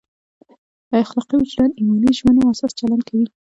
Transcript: اخلاقي وجدان ایماني ژمنو اساس چلند کوي.